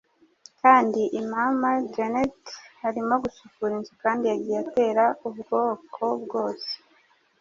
kandi immamma genet arimo gusukura inzu kandi yagiye atera ubwoko bwose